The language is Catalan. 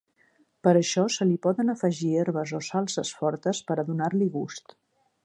Per això se li poden afegir herbes o salses fortes per a donar-li gust.